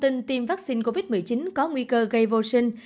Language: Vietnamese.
tình tim vaccine covid một mươi chín có nguy cơ gây vô sinh